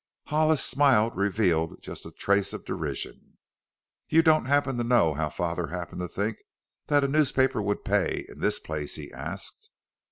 Hollis's smile revealed just a trace of derision. "You don't happen to know how father happened to think that a newspaper would pay in this place?" he asked.